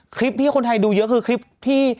คลิปที่คนไทยดูเยอะคือคลิปที่